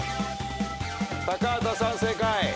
高畑さん正解。